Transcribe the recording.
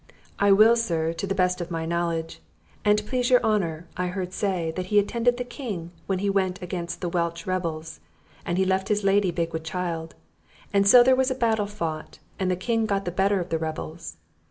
"I will, sir, to the best of my knowledge. An't please your honour, I heard say, that he attended the King when he went against the Welch rebels, and he left his lady big with child; and so there was a battle fought, and the king got the better of the rebels.